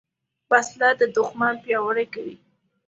وسله د دوښمن پیاوړي کوي